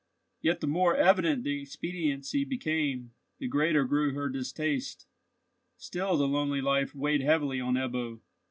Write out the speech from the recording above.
Yet the more evident the expediency became, the greater grew her distaste. Still the lonely life weighed heavily on Ebbo.